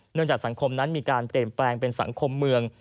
เนื่องจากสังคมนั้นมีการเปลี่ยนเปลี่ยนเป็นสังคมเมือง